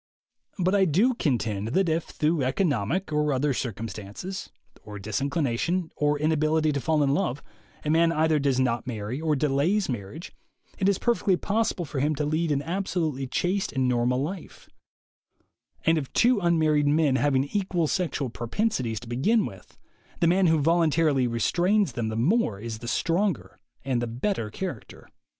But I do contend that if, through economic or other cir cumstances, or disinclination, or inability to fall in love, a man either does not marry or delays marriage, it is perfectly possible for him to lead an absolutely chaste and normal life; and of two unmarried men having equal sexual propensities to begin with, the man who voluntarily restrains them the more is the stronger and the better character.